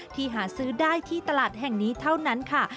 หาซื้อได้ที่ตลาดแห่งนี้เท่านั้นค่ะ